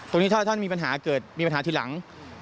ตรงนี้ถ้าท่านมีปัญหาเกิดมีปัญหาทีหลัง